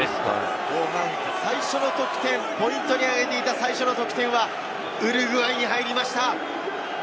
後半最初の得点、ポイントに挙げていた最初の得点はウルグアイに入りました。